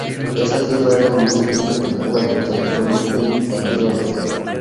Esta tierra era lo último que quedaba de territorio Creek en Georgia.